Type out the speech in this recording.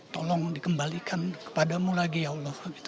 tolong dikembalikan kepadamu lagi ya allah